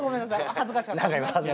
恥ずかしかったですね。